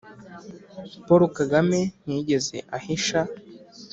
paul kagame ntiyigeze ahisha.